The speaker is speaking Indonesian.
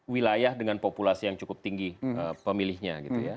wilayah dengan populasi yang cukup tinggi pemilihnya